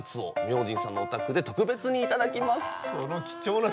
明神さんのお宅で特別に頂きます。